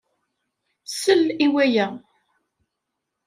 Sel i waya!